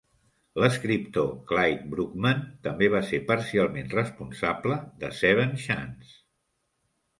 L'escriptor Clyde Bruckman també va ser parcialment responsable de "Seven Chances".